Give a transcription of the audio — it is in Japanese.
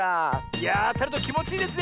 いやああたるときもちいいですね